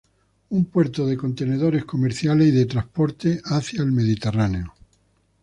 Un puerto de contenedores comerciales y de transporte hacia el Mediterráneo.